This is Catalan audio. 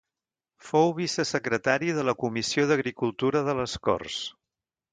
Fou vicesecretari de la comissió d'Agricultura de les Corts.